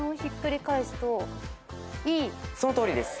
そのとおりです。